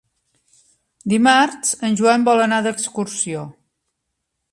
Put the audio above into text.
Dimarts en Joan vol anar d'excursió.